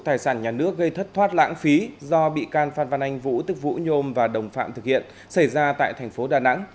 tài sản nhà nước gây thất thoát lãng phí do bị can phan văn anh vũ tức vũ nhôm và đồng phạm thực hiện xảy ra tại thành phố đà nẵng